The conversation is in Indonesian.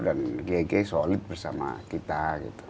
dan kiai kiai solid bersama kita gitu